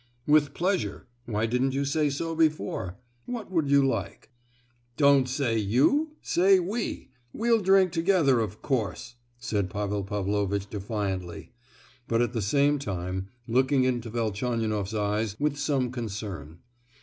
"With pleasure—why didn't you say so before! what would you like?" "Don't say 'you!' say 'we'! we'll drink together of course!" said Pavel Pavlovitch defiantly, but at the same time looking into Velchaninoff's eyes with some concern.